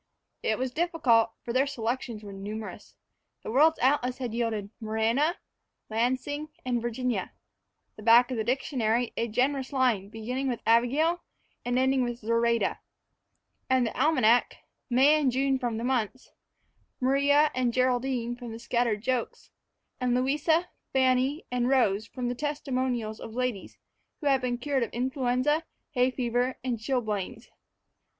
It was difficult, for their selections were numerous. The world's atlas had yielded Morena, Lansing, and Virginia; the back of the dictionary, a generous line beginning with Abigail and ending with Zoraida; and the almanac, May and June from the months, Maria and Geraldine from the scattered jokes, and Louisa, Fanny, and Rose from the testimonials of ladies who had been cured of influenza, hay fever, and chilblains.